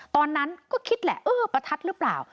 ตอนนั้นก็คิดแหละเออประทัดหรือเปล่า